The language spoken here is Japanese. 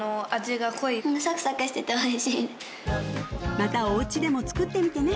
またおうちでも作ってみてね